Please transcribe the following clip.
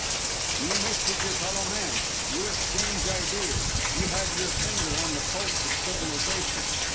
You mix with your fellow men; you exchange ideas; you have your finger on the pulse of civilisation.